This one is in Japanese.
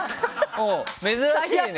珍しいね。